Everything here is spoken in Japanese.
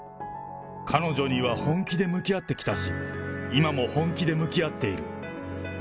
彼女には本気で向き合ってきたし、今も本気で向き合っている。